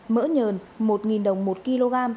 mỡ nhờn một đồng một kg